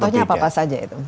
contohnya apa apa saja itu